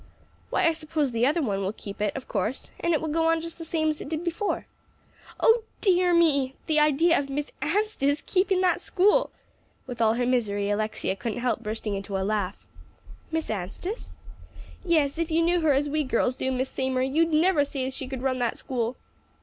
"Why, I suppose the other one will keep it, of course; and it will go on just the same as it did before." "Oh dear me! The idea of Miss Anstice keeping that school!" With all her misery, Alexia couldn't help bursting into a laugh. "Miss Anstice?" "Yes; if you knew her as we girls do, Miss Seymour, you never'd say she could run that school."